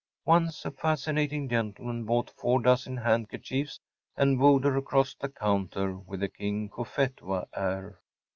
Once a fascinating gentleman bought four dozen handkerchiefs, and wooed her across the counter with a King Cophetua air.